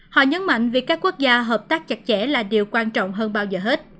họ nhấn mạnh việc các quốc gia hợp tác chặt chẽ là điều quan trọng hơn bao giờ hết